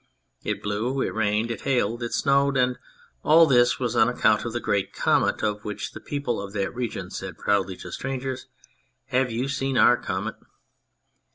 It blew, it rained, it hailed, it snowed, and all this was on account of the great comet, of which the people of that region said proudly to strangers, " Have you seen our comet